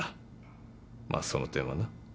まあその点はな。